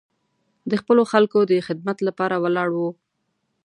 د خپلو خلکو د خدمت لپاره ولاړ و.